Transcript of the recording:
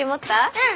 うん！